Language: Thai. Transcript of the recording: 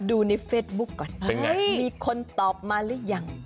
ดูในเฟซบุ๊คก่อนมีคนตอบมาหรือยัง